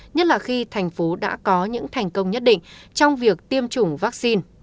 nhất là khi thành phố đã có những thành công nhất định trong việc tiêm chủng vaccine